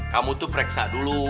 kamu tuh periksa dulu